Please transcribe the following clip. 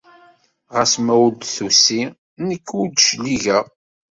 Ɣas ma ur d-tusi, nekk ur d-cligeɣ.